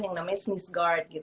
yang namanya smith guard